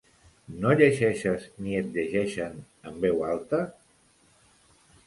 No llegeixes ni et llegeixen en veu alta?